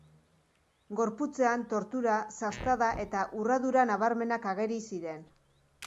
Gorputzean tortura, sastada eta urradura nabarmenak ageri ziren.